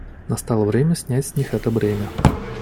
Настало время снять с них это бремя.